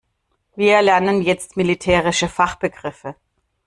Wir lernen jetzt militärische Fachbegriffe.